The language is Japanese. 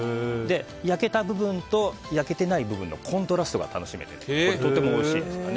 焼けた部分と焼けていない部分のコントラストが楽しめてとてもおいしいですから。